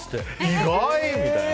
意外！みたいな。